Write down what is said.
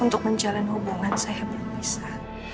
untuk menjalin hubungan saya belum bisa